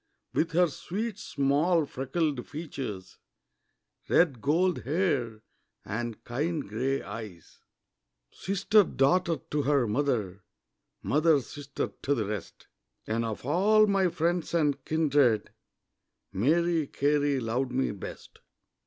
With her sweet small freckled features, Red gold hair, and kind grey eyes; Sister, daughter, to her mother, Mother, sister, to the rest And of all my friends and kindred, Mary Carey loved me best.